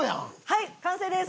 はい完成です！